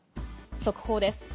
速報です。